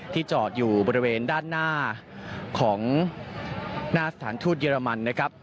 จอดอยู่บริเวณด้านหน้าของหน้าสถานทูตเยอรมันนะครับ